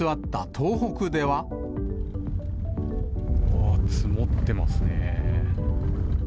うわー、積もってますね。